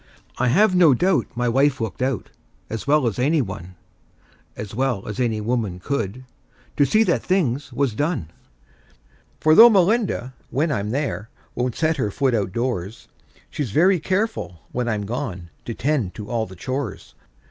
I have no doubt my wife looked out, as well as any one— As well as any woman could—to see that things was done: For though Melinda, when I'm there, won't set her foot outdoors, She's very careful, when I'm gone, to tend to all the chores.